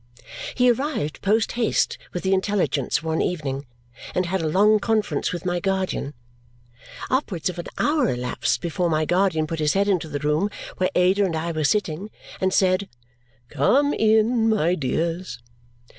He arrived post haste with the intelligence one evening, and had a long conference with my guardian. Upwards of an hour elapsed before my guardian put his head into the room where Ada and I were sitting and said, "Come in, my dears!"